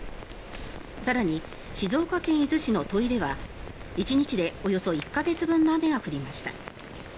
更に、静岡県伊豆市の土肥では１日でおよそ１か月分の雨が降りました。